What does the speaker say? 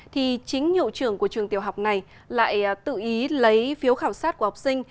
thì chính nhậu trường của trường tiểu học này lại tự ý lấy phiếu khảo sát của học sinh